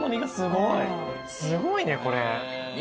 すごいねこれ。